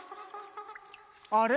あれ？